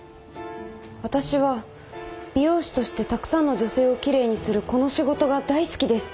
私は美容師としてたくさんの女性をきれいにするこの仕事が大好きです。